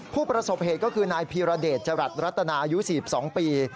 ผู้ประสบเหตุก็คือนายพีรเดชจรัสรัตนาอายุ๔๒ปี